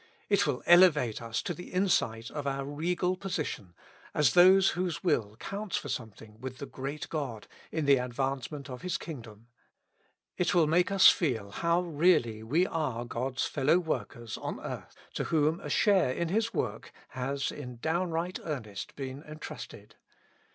It will elevate us to the insight of our regal position, as those whose will counts for something with the great God in the advancement of His Kingdom. It will make us feel how really we are God's fellow workers on earth, to whom a share in His work has in down right earnest been entrusted.